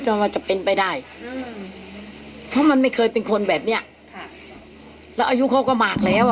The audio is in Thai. ถ้าไม่สบายของพี่สิเฮียที่บ้านก็ฟังไว้คนเดียว